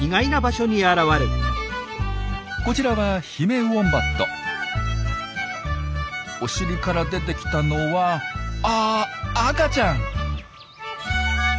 こちらはお尻から出てきたのはあ赤ちゃん！